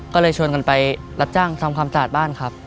ก็เลยชวนกันไปรับจ้างทำความสะอาดบ้านครับ